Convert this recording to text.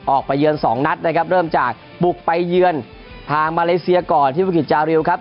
เยือนสองนัดนะครับเริ่มจากบุกไปเยือนทางมาเลเซียก่อนที่บุกิจจาริวครับ